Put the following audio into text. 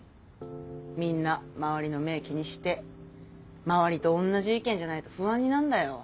みんな周りの目気にして周りと同じ意見じゃないと不安になるんだよ。